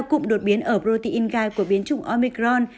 cụm đột biến ở protein gai của biến chủng omicron